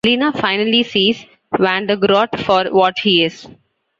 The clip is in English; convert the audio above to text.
Lina finally sees Vandergroat for what he is.